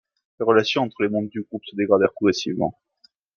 Les relations entre les membres du groupe se dégradèrent progressivement.